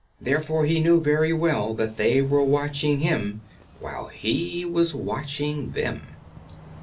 Therefore he knew very well that they were watching him while he was watching them.